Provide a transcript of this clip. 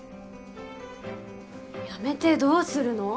辞めてどうするの？